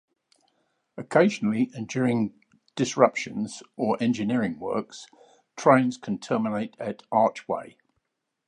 Occasionally and during disruptions or engineering works, trains can terminate at Archway.